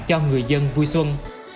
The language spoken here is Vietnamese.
cho người dân vui xuân